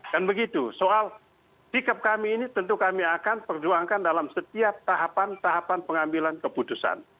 kan begitu soal sikap kami ini tentu kami akan perjuangkan dalam setiap tahapan tahapan pengambilan keputusan